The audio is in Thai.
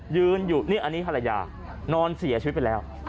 ยืนอยู่นี่อันนี้ภรรยานอนเสียชีวิตไปแล้ว